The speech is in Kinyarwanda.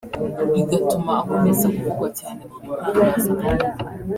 bigatuma akomeza kuvugwa cyane mu bitangazamakuru